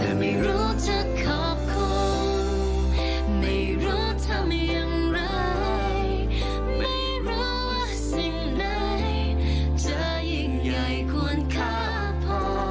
แต่ไม่รู้จะขอบคุณไม่รู้ทำอย่างไรไม่รู้สิ่งใดใจยิ่งใหญ่ควรฆ่าพ่อ